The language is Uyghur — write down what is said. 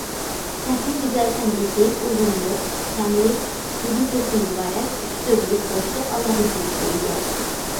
سەھنە گۈزەل سەنئىتى ئۇزۇنلۇق، كەڭلىك، ئېگىزلىكتىن ئىبارەت ئۈچ تۈرلۈك بوشلۇق ئالاھىدىلىكىگە ئىگە.